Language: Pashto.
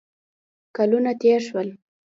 کلونه تېر شول.